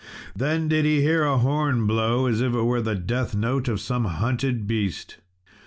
Then did he hear a horn blow as it were the deathnote of some hunted beast.